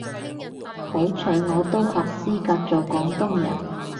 好彩我都合資格做廣東人